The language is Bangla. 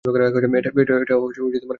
এটা কে এলো?